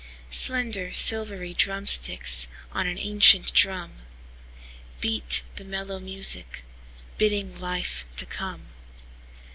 Slender, silvery drumsticks, On an ancient drum, Beat the mellow musicBidding life to come.